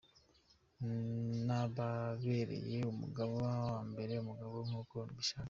"Nababereye umugaba bambera abagabo nk’uko mbishaka,.